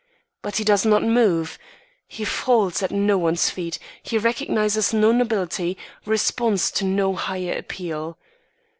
But he does not move; he falls at no one's feet; he recognises no nobility, responds to no higher appeal.